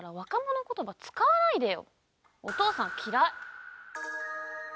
お父さん嫌い？